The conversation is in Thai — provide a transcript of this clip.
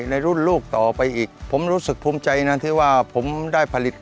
ในรุ่นลูกต่อไปอีกผมรู้สึกภูมิใจนะที่ว่าผมได้ผลิต